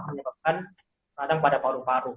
menyebabkan kadang pada paru paru